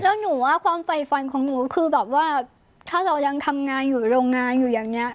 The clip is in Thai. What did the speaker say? แล้วหนูว่าความไฟฟันของหนูคือแบบว่าถ้าเรายังทำงานอยู่โรงงานอยู่อย่างนี้